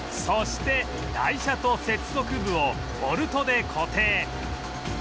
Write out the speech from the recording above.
そして台車と接続部をボルトで固定